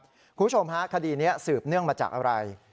คุณผู้ชมฮะคดีนี้สืบเนื่องมาจากอะไร